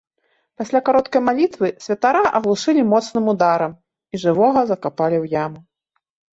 Пасля кароткай малітвы святара аглушылі моцным ударам і жывога закапалі ў яму.